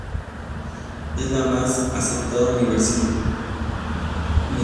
Es la más aceptada universalmente.